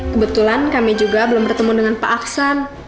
kebetulan kami juga belum bertemu dengan pak aksan